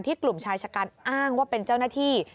กลุ่มชายชะกันอ้างว่าเป็นเจ้าหน้าที่